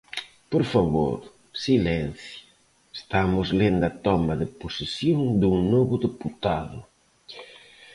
Por favor, silencio, estamos lendo a toma de posesión dun novo deputado.